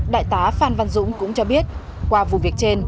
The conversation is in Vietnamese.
đại tá phan văn dũng cũng cho biết qua vụ việc trên